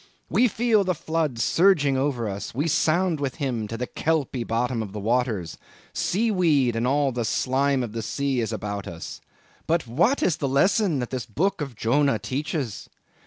We feel the floods surging over us; we sound with him to the kelpy bottom of the waters; sea weed and all the slime of the sea is about us! But what is this lesson that the book of Jonah teaches?